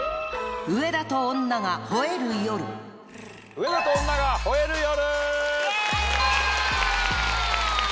『上田と女が吠える夜』！